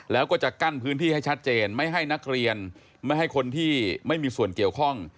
แล้วก็จะกั้นพื้นที่ให้ชัดเจนไม่ให้นักเรียนไม่ให้คนที่ไม่มีส่วนเกี่ยวข้อง